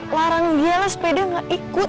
larang dia lah sepeda gak ikut